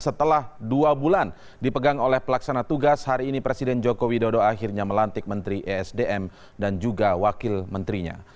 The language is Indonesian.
setelah dua bulan dipegang oleh pelaksana tugas hari ini presiden joko widodo akhirnya melantik menteri esdm dan juga wakil menterinya